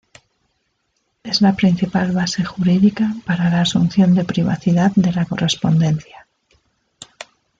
Es la principal base jurídica para la asunción de privacidad de la correspondencia.